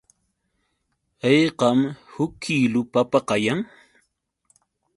¿Haykam huk kiilu papa kayan?